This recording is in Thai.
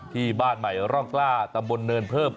ที่บ้านใหม่ร่องกล้าตำบลเนินเพิ่ม